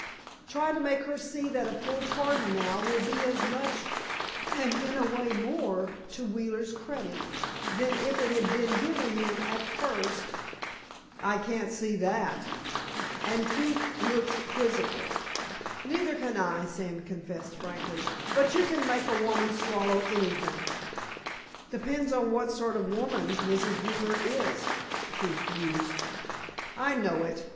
"Try to make her see that a full pardon now will be as much, and in a way more, to Wheeler's credit, than if it had been given him at first——" "I can't see that," and Keefe looked quizzical "Neither can I," Sam confessed, frankly, "but you can make a woman swallow anything." "Depends on what sort of woman Mrs. Wheeler is," Keefe mused. "I know it.